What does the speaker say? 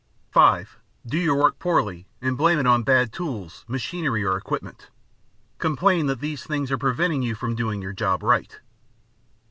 (5) Do your work poorly and blame it on bad tools, machinery, or equipment. Complain that these things are preventing you from doing your job right.